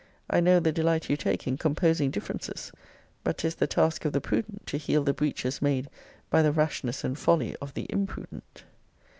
I know the delight you take in composing differences. But 'tis the task of the prudent to heal the breaches made by the rashness and folly of the imprudent.